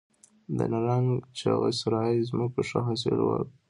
د نرنګ، چغه سرای ځمکو ښه حاصل و